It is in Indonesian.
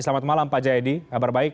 selamat malam pak jayadi kabar baik